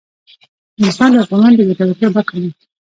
نورستان د افغانانو د ګټورتیا برخه ده.